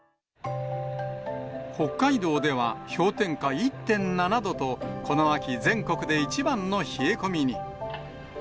北海道では、氷点下１．７度と、この秋、全国で一番の冷え込みに。